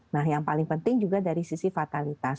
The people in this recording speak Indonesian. nah yang paling penting juga dari sisi fatalitas